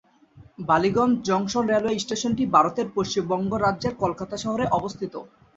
Ballygunge junction railway স্টেশনটি ভারতের পশ্চিমবঙ্গ রাজ্যের কলকাতা শহরে অবস্থিত।